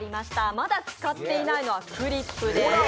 まだ使っていないのは、クリップです。